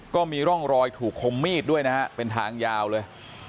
ก็มีร่องรอยถูกคมมีดด้วยนะฮะเป็นทางยาวเลย